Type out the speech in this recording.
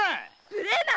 無礼な！